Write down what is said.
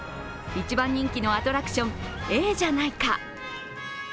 一番人気のアトラクションええじゃないか。